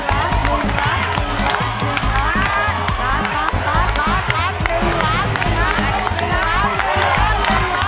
ลุนครับ